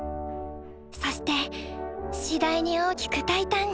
そして次第に大きく大胆に！